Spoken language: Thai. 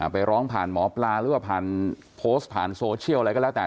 ไปร้องผ่านหมอปลาหรือว่าผ่านโพสต์ผ่านโซเชียลอะไรก็แล้วแต่